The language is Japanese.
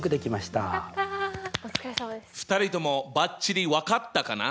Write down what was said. ２人ともばっちり分かったかな？